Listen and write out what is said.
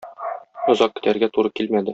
Озак көтәргә туры килмәде.